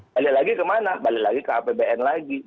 balik lagi ke mana balik lagi ke apbn lagi